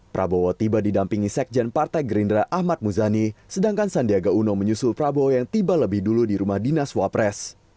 prabowo tiba didampingi sekjen partai gerindra ahmad muzani sedangkan sandiaga uno menyusul prabowo yang tiba lebih dulu di rumah dinas wapres